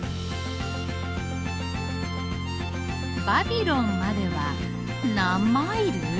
「バビロンまではなんマイル？